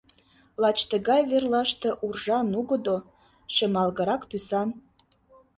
Лач тыгай верлаште уржа нугыдо, шемалгырак тӱсан.